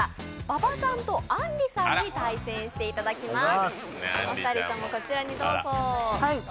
馬場さんとあんりさんに対戦していただきます。